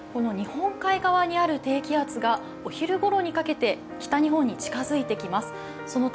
この日本海側にある低気圧がお昼ごろにかけて北日本に近づいてきます。